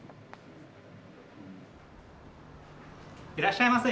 いらっしゃいませ。